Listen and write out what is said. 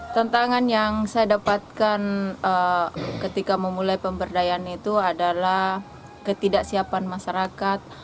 tentangan yang saya dapatkan ketika memulai pemberdayaan itu adalah ketidaksiapan masyarakat